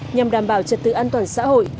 nhằm đảm bảo trật tự an toàn xã hội